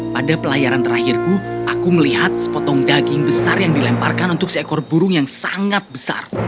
pada pelayaran terakhirku aku melihat sepotong daging besar yang dilemparkan untuk seekor burung yang sangat besar